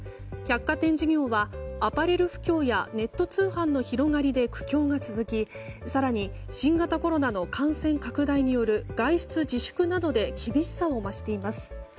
百貨店事業はアパレル不況やネット通販の広がりで苦境が続き、更に新型コロナの感染拡大による外出自粛などで厳しさを増しています。